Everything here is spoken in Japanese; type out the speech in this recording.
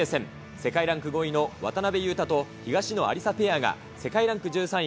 世界ランク５位の渡辺勇大と東野有紗ペアが、世界ランク１３位、